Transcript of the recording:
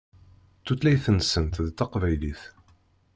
Tutlayt-nsent d taqbaylit.